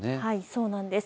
そうなんです。